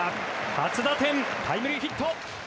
初打点タイムリーヒット！